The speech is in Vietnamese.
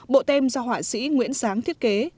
bộ tem do họa sĩ nguyễn sáng thiết kế